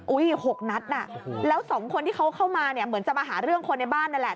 ๖นัดน่ะแล้วสองคนที่เขาเข้ามาเนี่ยเหมือนจะมาหาเรื่องคนในบ้านนั่นแหละ